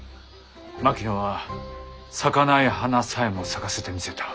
槙野は咲かない花さえも咲かせてみせた。